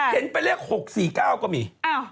เห็นเป็นเลข๖๔๙ก็มี